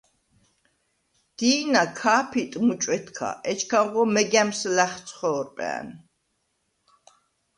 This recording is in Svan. დი̄ნა ქა̄ფიტ მუჭვედქა, ეჩქანღო მეგა̈მს ლა̈ხცხო̄რპა̈ნ.